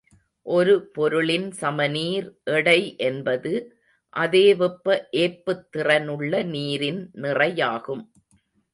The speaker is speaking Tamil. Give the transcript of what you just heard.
ஒரு பொருளின் சமநீர் எடை என்பது அதே வெப்ப ஏற்புத்திறனுள்ள நீரின் நிறையாகும்.